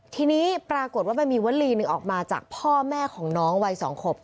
ทีนี้ปรากฏว่ามันมีวลีหนึ่งออกมาจากพ่อแม่ของน้องวัย๒ขวบ